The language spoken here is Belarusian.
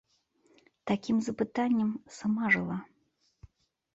Такім запытаннем сама жыла.